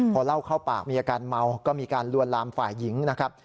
พอเล่าเข้าปากมีอาการเมาก็มีการลวนลามฝ่ายหญิงนะครับ